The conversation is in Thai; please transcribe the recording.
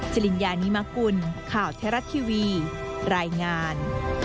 จริงยานิมกุลข่าวเทราะทีวีรายงาน